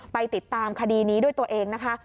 ไปติดตามคดีนี้ด้วยตัวเองนะคะ